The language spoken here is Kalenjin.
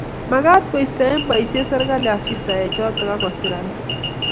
Magat koisto eng boisiet serkali afisaechoto akoser alak